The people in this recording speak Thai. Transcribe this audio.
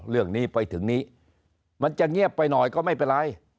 เรื่องนี้ไปถึงนี้มันจะเงียบไปหน่อยก็ไม่เป็นไร